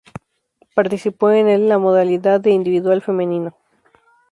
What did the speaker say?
Participó en en la modalidad de Individual femenino.